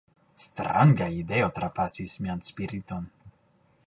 Stranga ideo trapasis mian spiriton.